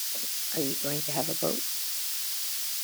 Are you going to have a boat?